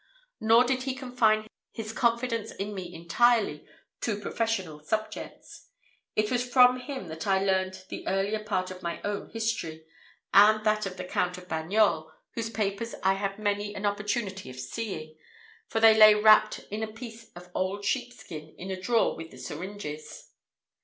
Nor did he confine his confidence in me entirely to professional subjects. It was from him that I learned the earlier part of my own history, and that of the Count de Bagnols, whose papers I had many an opportunity of seeing, for they lay wrapped in a piece of old sheepskin in the drawer with the syringes.